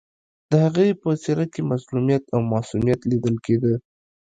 د هغې په څېره کې مظلومیت او معصومیت لیدل کېده